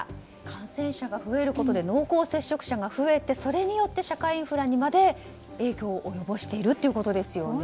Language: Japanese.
感染者が増えることで濃厚接触者が増えてそれによって社会インフラにまで影響を及ぼしているということですよね。